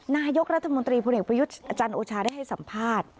นายกรัฐมนตรีพลเอกประยุทธ์อาจารย์โอชาได้ให้สัมภาษณ์